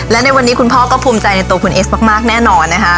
และในวันนี้คุณพ่อก็ภูมิใจในตัวคุณเอสมากแน่นอนนะคะ